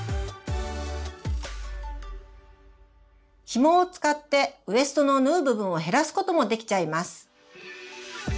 ヒモを使ってウエストの縫う部分を減らすこともできちゃいます！